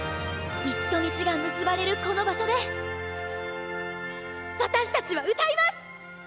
道と道が結ばれるこの場所で私たちは歌います！